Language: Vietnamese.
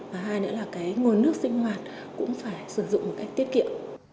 và hai nữa là cái nguồn nước sinh hoạt cũng phải sử dụng một cách tiết kiệm